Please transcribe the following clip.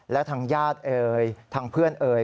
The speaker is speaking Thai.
และทางญาติเอ่ยทางเพื่อนเอ่ย